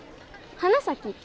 花咲？